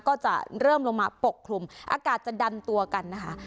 ก็จะเริ่มลงมาปกคลุมอากาศจะดันตัวกันนะคะ